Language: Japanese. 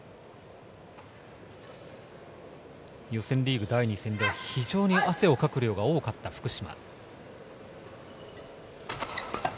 予選リーグ第２戦で非常に汗をかく量が多かった福島。